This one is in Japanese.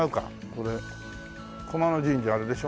これ熊野神社あれでしょ？